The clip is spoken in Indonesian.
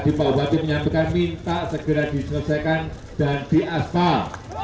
tadi pak wati menyampaikan minta segera diselesaikan dan diasfal